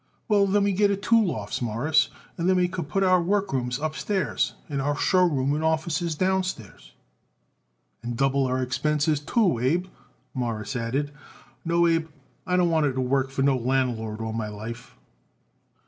"Well, then we get it two lofts, Mawruss, and then we could put our workrooms upstairs and our show room and offices downstairs." "And double our expenses, too, Abe," Morris added. "No, Abe, I don't want to work for no landlord all my life."